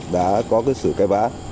đã có cái sự cãi vã